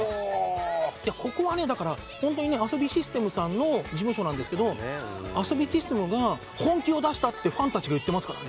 ここはアソビシステムさんの事務所なんですけど「アソビシステムが本気を出した」ってファンたちが言ってますから。